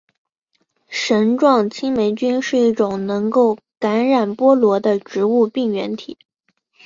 绳状青霉菌是一种能够感染菠萝的植物病原体。